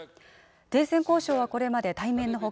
停戦交渉はこれまで対面の他